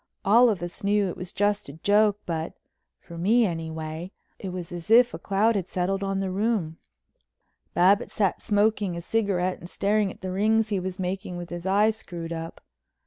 All of us knew it was just a joke, but—for me, anyway—it was as if a cloud had settled on the room. Babbitts sat smoking a cigarette and staring at the rings he was making with his eyes screwed up.